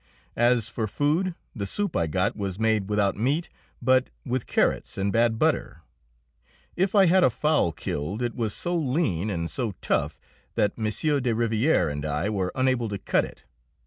As for food, the soup I got was made without meat, but with carrots and bad butter. If I had a fowl killed it was so lean and so tough that M. de Rivière and I were unable to cut it.